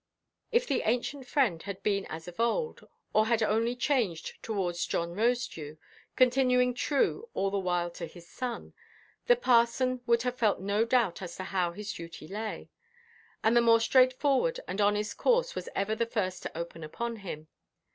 If the ancient friend had been as of old, or had only changed towards John Rosedew, continuing true all the while to the son, the parson would have felt no doubt as to how his duty lay. And the more straightforward and honest course was ever the first to open upon him.